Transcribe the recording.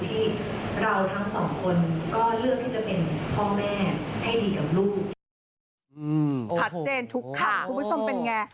ชัดเจนทุกข่างคุณผู้ชมเป็นไง